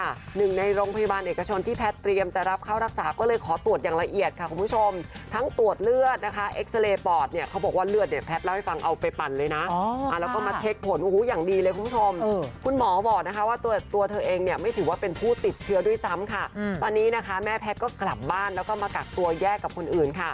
ทั้งหมดค่ะ๑ในโรงพยาบาลเอกชนที่แพทย์เตรียมจะรับเข้ารักษาก็เลยขอตรวจอย่างละเอียดค่ะคุณผู้ชมทั้งตรวจเลือดนะคะเอ็กซ์เรย์ปอดเนี่ยเขาบอกว่าเลือดเนี่ยแพทย์เล่าให้ฟังเอาไปปั่นเลยนะแล้วก็มาเทคผลอย่างดีเลยคุณผู้ชมคุณหมอบอกนะคะว่าตัวตัวเธอเองเนี่ยไม่ถือว่าเป็นผู้ติดเชื้อด้วยซ้ำค่ะตอนน